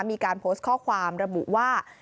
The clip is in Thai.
มีการโพสต์ข้อความระบุว่า